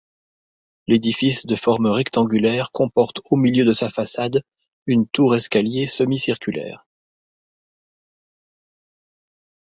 L'édifice de forme rectangulaire comporte au milieu de sa façade une tour-escalier semi-circulaire.